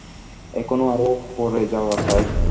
এখন আরও উপরে যাওয়া চাই।